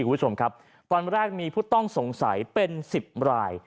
คุณผู้ชมครับตอนแรกมีผู้ต้องสงสัยเป็น๑๐ราย